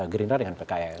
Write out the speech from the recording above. gerindra dengan pks